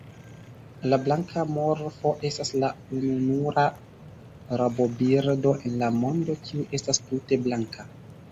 La blanka morfo estas la ununura rabobirdo en la mondo kiu estas tute blanka.